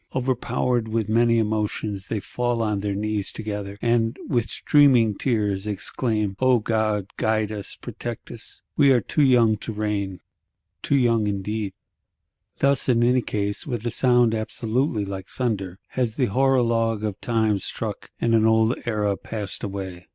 Over powered with many emotions, they two fall on their knees together, and, with streaming tears, exclaim, 'O God, guide us, protect us; we are too young to reign!'—Too young indeed. Thus, in any case, "with a sound absolutely like thunder," has the Horologe of Time struck, and an old Era passed away.